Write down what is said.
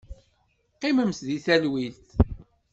Qqimemt deg talwit.